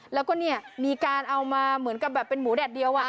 แล้วก็เนี่ยมีการเอามาเหมือนกับแบบเป็นหมูแดดเดียว